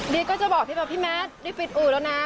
ดีก็จะบอกพี่แม่นพี่แม่นได้ปิดอู่แล้วนะ